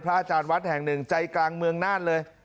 อาจารย์วัดแห่งหนึ่งใจกลางเมืองน่านเลย